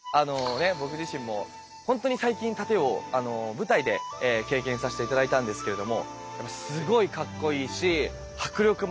僕自身も本当に最近殺陣を舞台で経験させて頂いたんですけれどもすごいかっこいいし迫力もあるし。